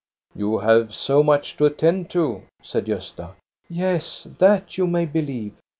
" You have so much to attend to," said Gosta. " Yes, that you may believe.